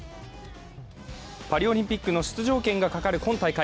パリオリンピックの出場権がかかる今大会。